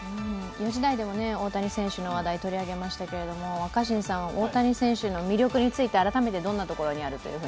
４時台でも大谷選手の話題を取り上げましたけど、若新さん、大谷選手の魅力について改めてどんなところにあると？